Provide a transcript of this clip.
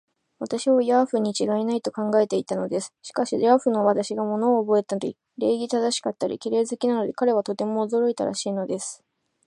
私をヤーフにちがいない、と考えていたのです。しかし、ヤーフの私が物をおぼえたり、礼儀正しかったり、綺麗好きなので、彼はとても驚いたらしいのです。